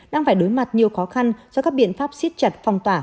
đang phải đối mặt nhiều khó khăn do các biện pháp siết chặt phong tỏa